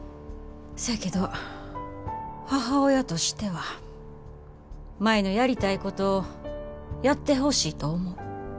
そやけど母親としては舞のやりたいことやってほしいと思う。